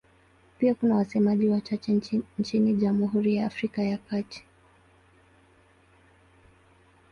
Pia kuna wasemaji wachache nchini Jamhuri ya Afrika ya Kati.